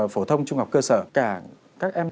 phổ thông trung học cơ sở cả các em